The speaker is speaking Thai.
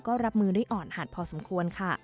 ก็รับมือได้อ่อนหัดพอสมควรค่ะ